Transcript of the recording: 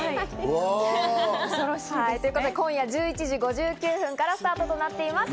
ということで今夜１１時５９分からスタートとなっています。